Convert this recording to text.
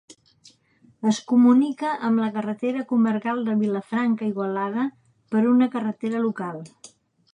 Es comunica amb la carretera comarcal de Vilafranca a Igualada per una carretera local.